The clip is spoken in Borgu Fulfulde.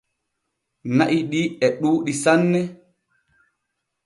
Na’i ɗi e ɗuuɗɗi sanne.